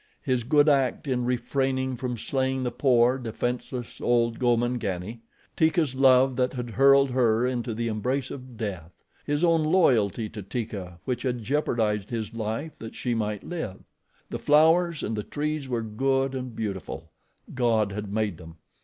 His good act in refraining from slaying the poor, defenseless old Gomangani; Teeka's love that had hurled her into the embrace of death; his own loyalty to Teeka which had jeopardized his life that she might live. The flowers and the trees were good and beautiful. God had made them.